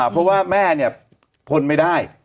เพราะว่าแม่เนี่ยทนไม่ได้